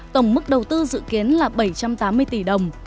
tổng mức đầu tư dự kiến là bảy trăm tám mươi tỷ đồng